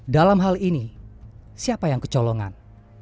dalam hal ini siapa yang kecolongan